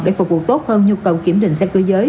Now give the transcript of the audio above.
để phục vụ tốt hơn nhu cầu kiểm định xe cơ giới